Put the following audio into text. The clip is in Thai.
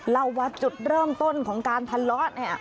เล่าว่าจุดเริ่มต้นของการทะเลาะเนี่ย